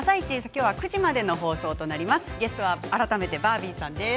きょうは９時までの放送となります。